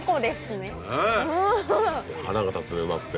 ねぇ腹が立つねうまくて。